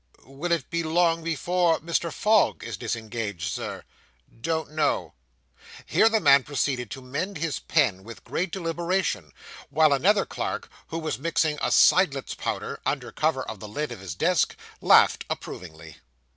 'Will it be long before Mr. Fogg is disengaged, Sir?' 'Don't know.' Here the man proceeded to mend his pen with great deliberation, while another clerk, who was mixing a Seidlitz powder, under cover of the lid of his desk, laughed approvingly.